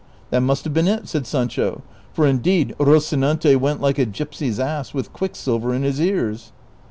" That must have been it," said Sancho, " for indeed Roci nante went like a g3'psy''s ass with quicksilver in his ears."